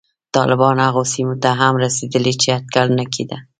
طالبان هغو سیمو ته هم رسېدلي چې اټکل نه کېده